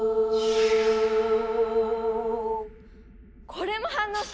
これも反応した！